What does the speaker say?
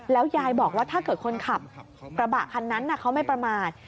ยายบอกว่าถ้าเกิดคนขับกระบะคันนั้นเขาไม่ประมาท